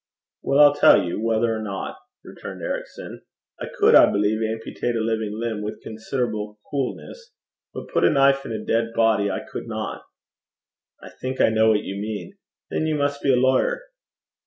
'Well, I'll tell you, whether or not,' returned Ericson. 'I could, I believe, amputate a living limb with considerable coolness; but put a knife in a dead body I could not.' 'I think I know what you mean. Then you must be a lawyer.'